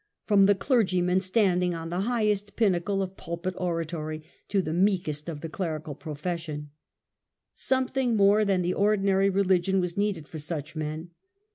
129 from the clergymen standing on the highest pinnacle ■of pulpit oratory, to the meekest of the clerical pro fession. Something more than the ordinary religion was needed for such men.